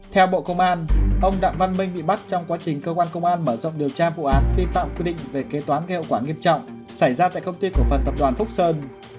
theo bộ công an ông đặng văn minh bị bắt trong quá trình cơ quan công an mở rộng điều tra vụ án vi phạm quy định về kế toán gây hậu quả nghiêm trọng xảy ra tại công ty cổ phần tập đoàn phúc sơn